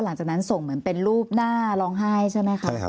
หลังจากนั้นส่งเหมือนเป็นรูปหน้าร้องไห้ใช่ไหมคะ